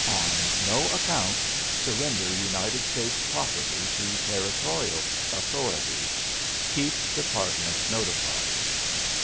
On no account surrender United States property to Territorial authorities. Keep Department notified."